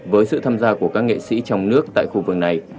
với sự tham gia của các nghệ sĩ trong nước tại khu vực này